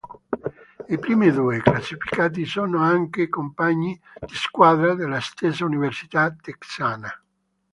I primi due classificati sono anche compagni di squadra della stessa università texana.